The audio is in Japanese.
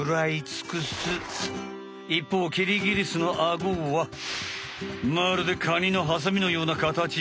いっぽうキリギリスのアゴはまるでカニのはさみのようなかたち。